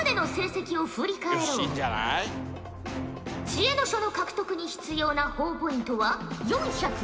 知恵の書の獲得に必要なほぉポイントは４２０。